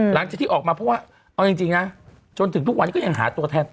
หลังจากที่ออกมาเพราะว่าเอาจริงนะจนถึงทุกวันนี้ก็ยังหาตัวแทน